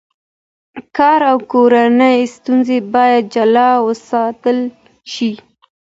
کار او کورنۍ ستونزې باید جلا وساتل شي.